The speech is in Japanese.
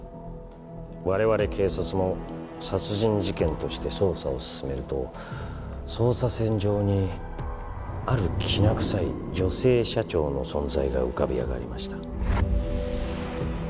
我々警察も殺人事件として捜査を進めると捜査線上にあるきな臭い女性社長の存在が浮かび上がりました